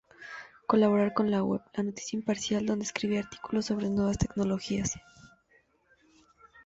Colaboró con la web "La Noticia Imparcial", donde escribía artículos sobre nuevas tecnologías.